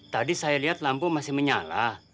tadi saya lihat lampu masih menyala